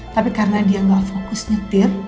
tapi karena dia nggak fokus nyetir